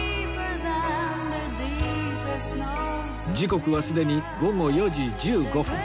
時刻はすでに午後４時１５分